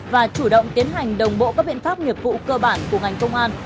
và chủ động tiến hành đồng bộ các biện pháp nghiệp vụ cơ bản của ngành công an